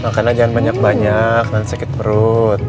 makan aja jangan banyak banyak nanti sakit perut